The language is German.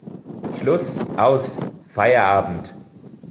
Schluss! Aus! Feierabend!